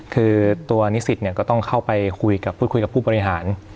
คือตัวนิสิตก็ต้องเข้าไปคุยกับพูดคุยกับผู้บริหาร